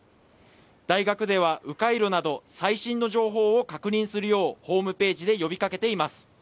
大学では迂回路など最新の情報を確認するようホームページで呼びかけています。